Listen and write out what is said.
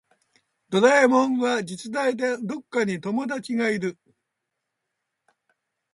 ドラえもんは実在でどこかに友達がいる